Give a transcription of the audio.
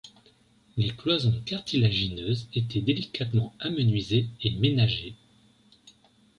Les cloisons cartilagineuses étaient délicatement amenuisées et ménagées.